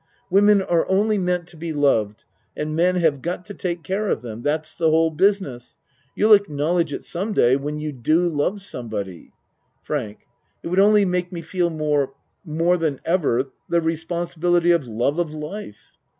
Women are only meant to be loved and men have got to take care of them. That's the whole business. You'll acknowledge it some day when you do love somebody. FRANK It would only make me feel more more than ever the responsibility of love of life.